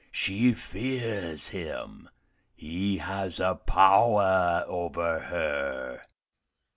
She fears him. He has a power over her."